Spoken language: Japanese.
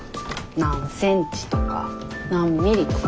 何センチとか何ミリとか。